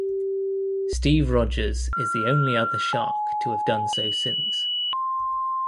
Steve Rogers is the only other Shark to have done so since.